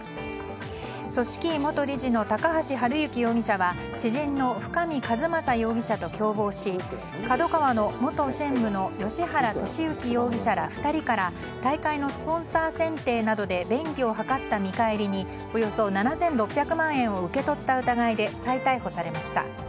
組織委元理事の高橋治之容疑者は知人の深見和政容疑者と共謀しＫＡＤＯＫＡＷＡの元専務の芳原世幸容疑者ら２人から大会のスポンサー選定などで便宜を図った見返りにおよそ７６００万円を受け取った疑いで再逮捕されました。